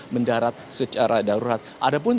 mendarat secara darurat ada pun